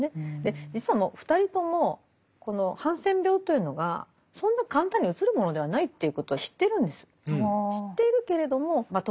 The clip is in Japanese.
実は２人ともこのハンセン病というのがそんな簡単にうつるものではないということは知ってるんです。